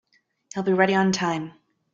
He'll be ready on time.